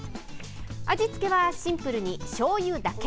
味付けはシンプルにしょうゆだけ。